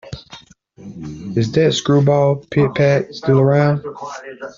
Is that screwball Pit-Pat still around?